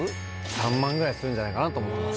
３００００ぐらいするんじゃないかなと思ってます